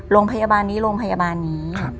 โรงพยาบาลนี้โรงพยาบาลนี้